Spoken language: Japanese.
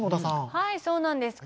はい、そうなんです。